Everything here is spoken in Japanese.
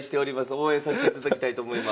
応援さしていただきたいと思います。